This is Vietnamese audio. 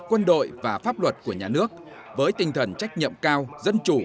quân đội và pháp luật của nhà nước với tinh thần trách nhiệm cao dân chủ